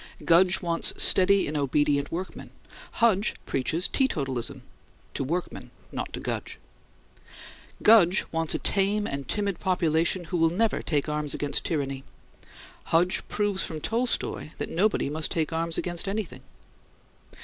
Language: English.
Gudge wants steady and obedient workmen, Hudge preaches teetotalism to workmen, not to Gudge Gudge wants a tame and timid population who will never take arms against tyranny; Hudge proves from Tolstoi that nobody must take arms against anything.